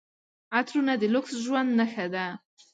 عطرونه د لوکس ژوند نښه ده.